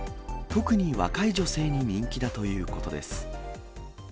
特に若い女性に人気だということです。